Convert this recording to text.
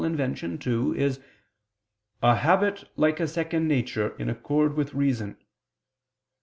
ii) is "a habit like a second nature in accord with reason."